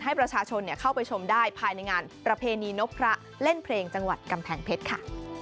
ให้ประชาชนเข้าไปชมได้ภายในงานประเพณีนพพระเล่นเพลงจังหวัดกำแพงเพชรค่ะ